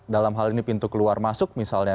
dalam hal ini pintu keluar masuk misalnya